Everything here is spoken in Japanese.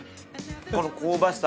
この香ばしさ